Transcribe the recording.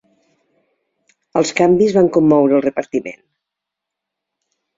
Els canvis van commoure el repartiment.